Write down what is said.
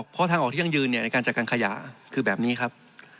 เพราะทางออกที่ยั่งยืนในการจัดการขยะคือแบบนี้ครับ